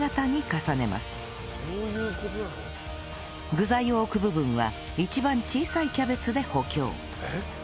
具材を置く部分は一番小さいキャベツで補強